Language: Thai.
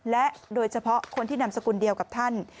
และโดยเฉพาะคนที่นามสกุลเดียวกับท่าน